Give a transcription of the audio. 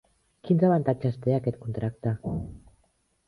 Quins avantatges té aquest contracte?